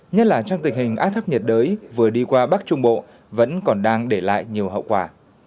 nhất là trong tình hình áp thấp nhiệt đới vừa đi qua bắc trung bộ vẫn còn đang để lại nhiều hậu quả